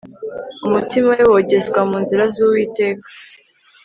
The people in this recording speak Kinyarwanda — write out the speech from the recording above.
Umutima we wogezwa mu nzira zUwiteka